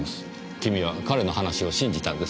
君は彼の話を信じたんですか？